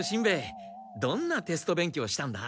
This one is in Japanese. どんなテスト勉強をしたんだ？